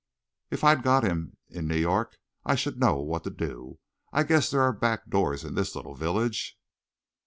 "If I'd got him in New York I should know what to do. I guess there are back doors in this little village."